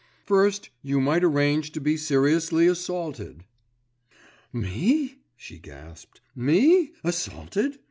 "First you might arrange to be seriously assaulted." "Me?" she gasped. "Me, assaulted?